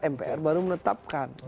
mpr baru menetapkan